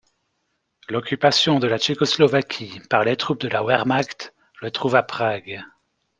L'Occupation de la Tchécoslovaquie par les troupes de la Wehrmacht le trouve à Prague.